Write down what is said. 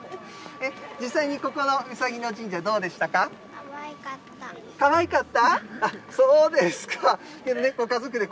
実際にここのうさぎの神社、どうかわいかった。